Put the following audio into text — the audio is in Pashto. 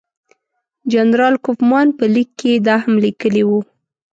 جنرال کوفمان په لیک کې دا هم لیکلي وو.